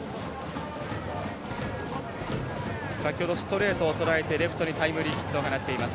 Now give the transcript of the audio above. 先ほどストレートをとらえてレフトにタイムリーヒットを放っています。